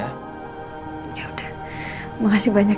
yaudah makasih banyak ya din